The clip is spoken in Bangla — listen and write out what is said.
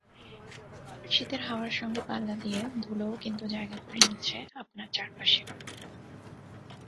শীতের হাওয়ার সঙ্গে পাল্লা দিয়ে ধুলোও কিন্তু জায়গা করে নিচ্ছে আপনার চারপাশে।